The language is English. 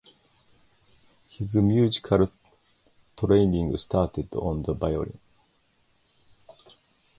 His musical training started on the violin.